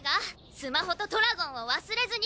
スマホとトラゴンを忘れずに！